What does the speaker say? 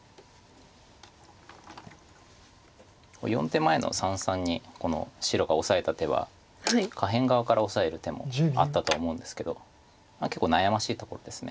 ４手前の三々に白がオサえた手は下辺側からオサえる手もあったとは思うんですけど結構悩ましいところです。